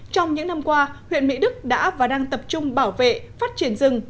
trong những năm qua huyện mỹ đức đã và đang tập trung bảo vệ phát triển rừng